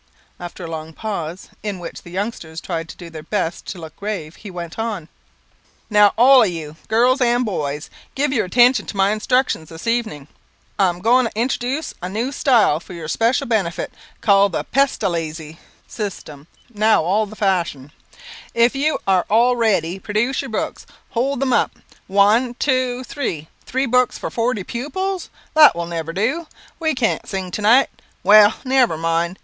After a long pause, in which the youngsters tried their best to look grave, he went on "Now all of you, girls and boys, give your attention to my instructions this evening. I'm goin' to introduce a new style, for your special benefit, called the Pest a lazy (Pestalozzi) system, now all the fashion. If you are all ready, produce your books. Hold them up. One two three! Three books for forty pupils? That will never do! We can't sing to night; well, never mind.